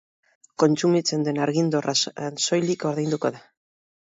Kontsumitzen den argindarra soilik ordainduko da.